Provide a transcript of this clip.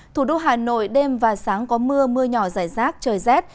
thủ đô hà nội đêm và sáng có mưa mưa nhỏ rải rác trời rét